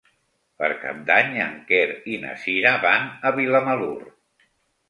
Per Cap d'Any en Quer i na Sira van a Vilamalur.